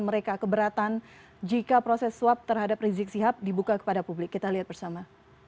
mereka keberatan jika proses swab terhadap rizik sihab dibuka kepada publik kita lihat bersama